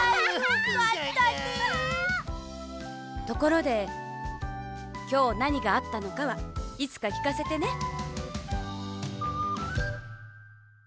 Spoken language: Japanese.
ところできょうなにがあったのかはいつかきかせてね。